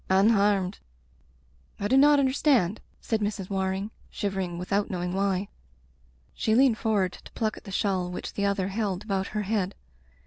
— unharmed. ...*' *'I do not understand," said Mrs. Waring, shivering without knowing why. She leaned forward to pluck at the shawl which the other held about her head.